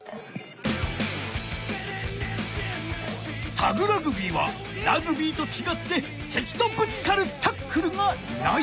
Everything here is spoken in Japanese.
タグラグビーはラグビーとちがって敵とぶつかるタックルがない。